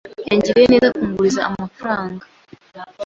Yangiriye neza kunguriza amafaranga.